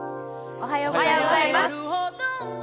おはようございます。